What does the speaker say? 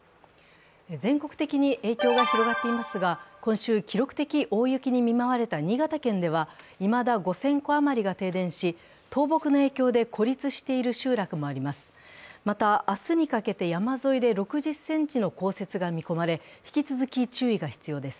全国的に影響が広がっていますが、今週、記録的大雪に見舞われた新潟県ではいまだ５０００戸余りが停電し、倒木の影響で孤立している集落もあります。